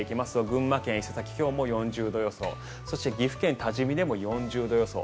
群馬県伊勢崎は今日も４０度予想そして、岐阜県多治見でも４０度予想